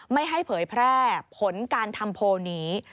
ไม่ให้เผยแพร่ผลการทำโพลนี้